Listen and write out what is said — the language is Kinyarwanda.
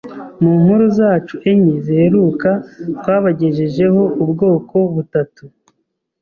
munkuru zacu enye ziheruka twabagejejeho ubwoko butatu